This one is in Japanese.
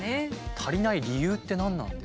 足りない理由って何なんですか？